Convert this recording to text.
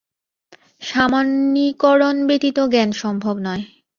সামান্যীকরণ ব্যতীত জ্ঞান সম্ভব নয়।